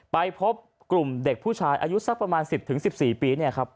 ไปพบกลุ่มเด็กผู้ชายอายุสักประมาณ๑๐๑๔ปี